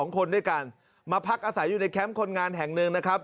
๒คนด้วยกันมาพักอาศัยอยู่ในแคมป์คนงานแห่งหนึ่งนะครับ